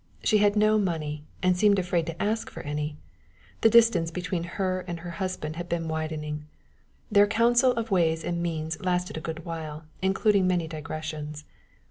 She had no money, and seemed afraid to ask for any. The distance between her and her husband had been widening. Their council of ways and means lasted a good while, including many digressions.